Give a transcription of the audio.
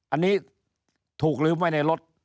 อันนี้ถูกลืมไว้ในรถ